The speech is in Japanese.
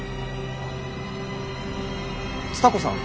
蔦子さん？